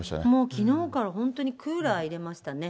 きのうから本当にクーラー入れましたね。